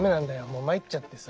もう参っちゃってさ。